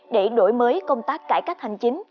để đổi mới công tác cải cách hành chính